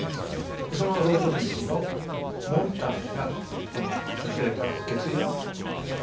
そのロウソクの火をモンターグがこの女性から受け継いだということですね。